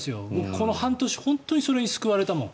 この半年本当にこれに救われたもん。